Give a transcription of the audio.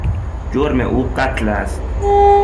جرم او قتل است.